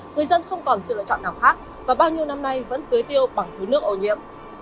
người dân không còn sự lựa chọn nào khác và bao nhiêu năm nay vẫn tưới tiêu bằng thứ nước ô nhiễm